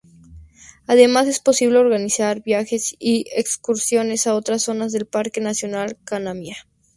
Además es posible organizar viajes y excursiones a otras zonas del Parque nacional Canaima.